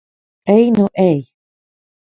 Ej nu ej!